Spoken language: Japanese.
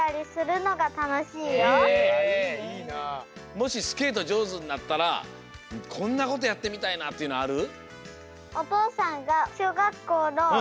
もしスケートじょうずになったらこんなことやってみたいなっていうのある？